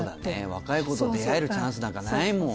若い子と出会えるチャンスなんかないもん。